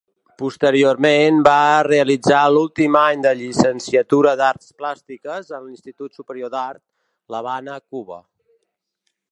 Posteriorment va realitzar l'últim any de llicenciatura d'Arts Plàstiques en l'Institut Superior d'Art, l'Havana, Cuba.